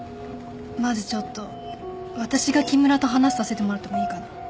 まずちょっと私が木村と話させてもらってもいいかな。